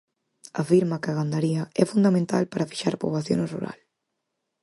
Afirma que a gandaría "é fundamental para fixar poboación no rural".